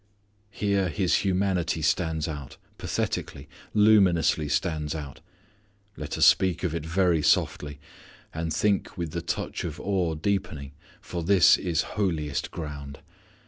Here His humanity stands out, pathetically, luminously stands out. Let us speak of it very softly and think with the touch of awe deepening for this is holiest ground.